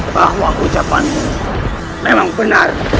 bahwa ucapanmu memang benar